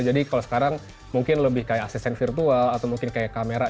jadi kalau sekarang mungkin lebih kayak asisten virtual atau mungkin kayak kamera